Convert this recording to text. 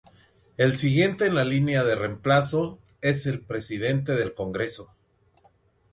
El siguiente en la línea de reemplazo es el presidente del Congreso.